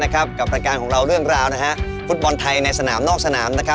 นะคะกับประกานเรื่องราวฟุตบอลไทยในนอกสนาม